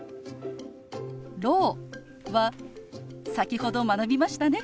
「ろう」は先ほど学びましたね。